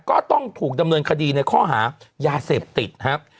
ก็ต้องถูกดำเนินคดีในข้อหายาเสพติดครับ